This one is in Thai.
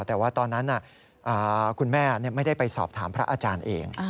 แต่ว่าตอนนั้นคุณแม่ไม่ได้ไปสอบถามพระอาจารย์เอง